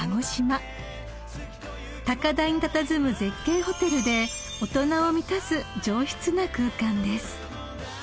［高台にたたずむ絶景ホテルで大人を満たす上質な空間です］